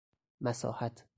مساحت